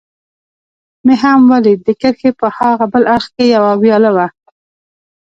مې هم ولید، د کرښې په هاغه بل اړخ کې یوه ویاله وه.